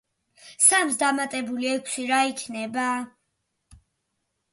სამს დამატებული ექვსი რა იქნება?